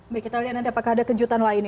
baik kita lihat nanti apakah ada kejutan lain